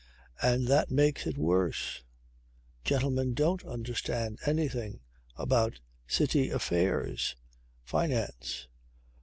And that makes it worse. Gentlemen don't understand anything about city affairs finance.